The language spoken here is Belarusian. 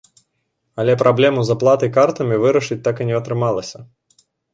Але праблему з аплатай картамі вырашыць так і не атрымалася.